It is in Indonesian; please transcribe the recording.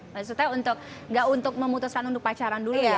maksudnya untuk gak untuk memutuskan untuk pacaran dulu ya